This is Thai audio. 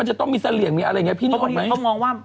มันจะต้องมีเสรียงเพราะปกติเค้ามองว่า